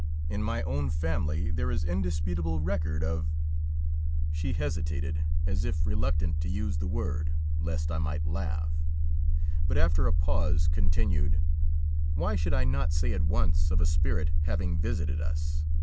In my own family there is indisputable record of ' She hesitated, as if reluctant to use the word lest I might laugh, but after a pause continued :' Why should I not say at once of a spirit having visited us